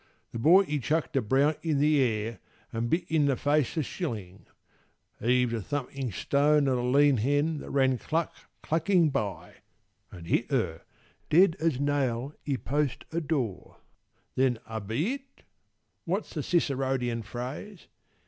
The boy he chuck'd a brown i' the air, and bit I' the face the shilling: heaved a thumping stone At a lean hen that ran cluck clucking by, (And hit her, dead as nail i' post o' door,) Then abiit—what's the Ciceronian phrase?